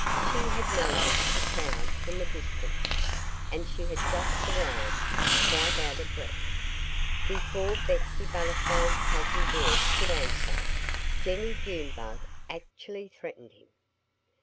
She had noticed the crowd from a distance. And she had just arrived, quite out of breath. Before Betsy Butterfly's cousin Bill could answer, Jennie Junebug actually threatened him.